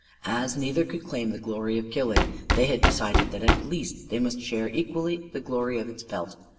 As neither could claim the glory of killing it, they had decided that at least they must share equally the glory of its pelt.